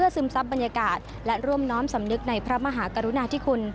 ซึมซับบรรยากาศและร่วมน้อมสำนึกในพระมหากรุณาธิคุณ